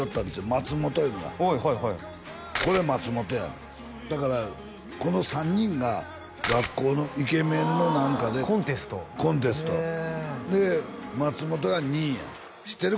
松本いうのがはいはいはいこれ松本やだからこの３人が学校のイケメンの何かでコンテストへえコンテストで松本が２位や知ってる？